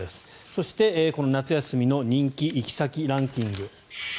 そして、夏休みの人気行き先ランキング。